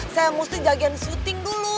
saya mesti jagain syuting dulu